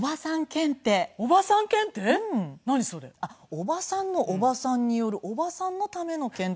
おばさんのおばさんによるおばさんのための検定